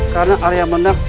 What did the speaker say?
karena ayah menang